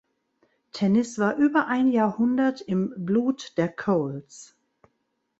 Tennis war über ein Jahrhundert im Blut der Coles.